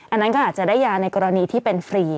อันนั้นก็อาจจะได้ยาในกรณีที่เป็นฟรี